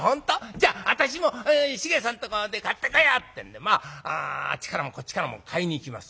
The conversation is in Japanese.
じゃあ私も繁さんとこで買ってこよう」ってんでまああっちからもこっちからも買いに行きます。